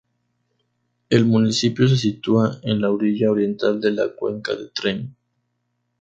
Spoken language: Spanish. El municipio se sitúa en la orilla oriental de la cuenca de Tremp.